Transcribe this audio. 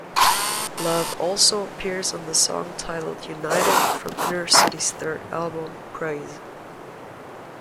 Love also appears on the song titled "United" from Inner City's third album, "Praise".